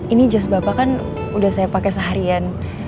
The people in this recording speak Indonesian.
ini jas bapak kan udah saya pakai seharian